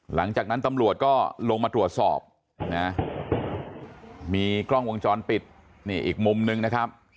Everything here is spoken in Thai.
หลังจากนั้นตำรวจก็ลงมาตรวจสอบนะมีกล้องวงจรปิดนี่อีกมุมนึงนะครับ